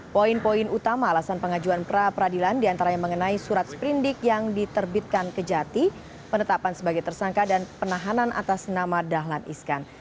poin poin utama alasan pengajuan pra peradilan diantaranya mengenai surat sprindik yang diterbitkan kejati penetapan sebagai tersangka dan penahanan atas nama dahlan iskan